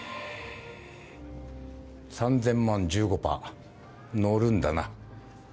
３０００万１５パー乗るんだな？